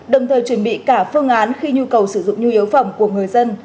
đồng thời chuẩn bị cả phương án khi nhu cầu sử dụng nhu yếu phẩm của người dân